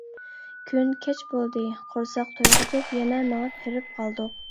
كۈن كەچ بولدى. قورساق تويغۇزۇپ، يەنە مېڭىپ ھېرىپ قالدۇق.